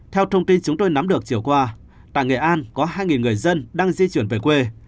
theo thông tin chúng tôi nắm được chiều qua tại nghệ an có hai người dân đang di chuyển về quê